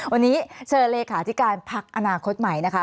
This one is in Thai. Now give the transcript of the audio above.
วันนี้เชิญเลขาธิการพักอนาคตใหม่นะคะ